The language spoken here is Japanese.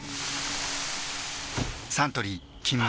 サントリー「金麦」